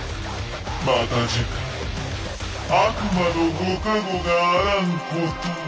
また次回悪魔のご加護があらんことを。